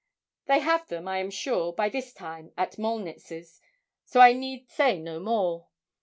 They have them, I am sure, by this time at Molnitz's, so I need say no more.